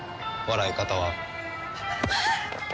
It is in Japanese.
笑い方は。